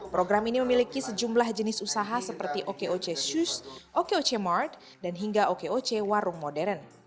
program ini memiliki sejumlah jenis usaha seperti okeoce shoes okeoce mart dan hingga okeoce warung modern